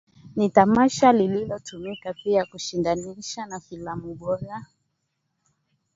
Ni tamasha linalotumika pia kushindanisha na filamu Bora